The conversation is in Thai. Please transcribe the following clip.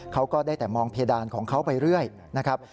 เขาก็ได้แต่มองเพดานของเขาไปเรื่อยนะครับ